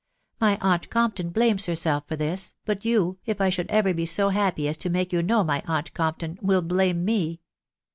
My aunt Compton blames herself for this ; but you, if I should ever be so happy aa to make you know my aunt Compton, will blame me.